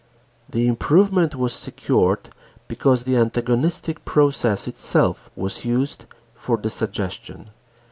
The improvement was secured because the antagonistic process itself was used for the suggestion.